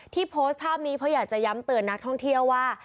โพสต์ภาพนี้เพราะอยากจะย้ำเตือนนักท่องเที่ยวว่า